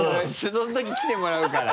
そのとき来てもらうから。